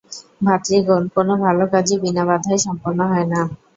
ভ্রাতৃগণ, কোন ভাল কাজই বিনা বাধায় সম্পন্ন হয় না।